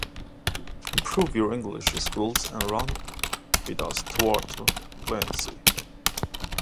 Improve your English skills and run with us towards fluency!